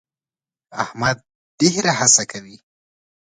احمد ډېر هڅه کوي.